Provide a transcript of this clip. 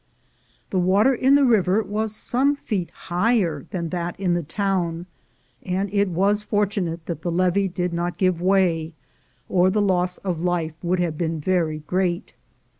The water in the river was some feet higher than that in the town, and it was fortunate that the levee did not give way, or the loss of life would have been very great.